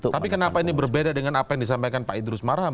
tapi kenapa ini berbeda dengan apa yang disampaikan pak idrus marham